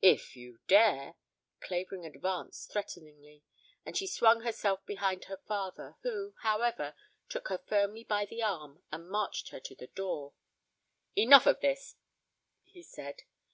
"If you dare!" Clavering advanced threateningly and she swung herself behind her father, who, however, took her firmly by the arm and marched her to the door. "Enough of this," he said.